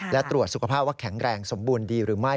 และตรวจสุขภาพว่าแข็งแรงสมบูรณ์ดีหรือไม่